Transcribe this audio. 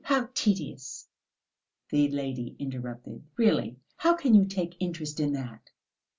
how tedious!" the lady interrupted. "Really, how can you take interest in that?"